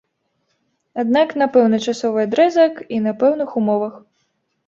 Аднак на пэўны часовы адрэзак і на пэўных умовах.